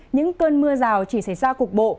những cơn mưa rào chỉ xảy ra cuộc bộ